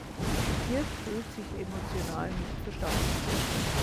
Dirk fühlt sich emotional nicht verstanden.